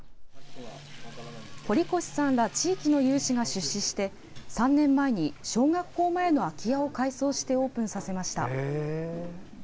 堀越さんら地域の有志が出資して３年前に、小学校前の空き家を改装してオープンさせました。